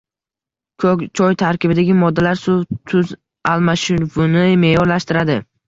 Ko‘k choy tarkibidagi moddalar suv, tuz almashinuvini me’yorlashtiradi.